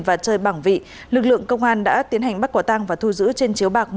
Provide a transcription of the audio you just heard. và chơi bảng vị lực lượng công an đã tiến hành bắt quả tang và thu giữ trên chiếu bạc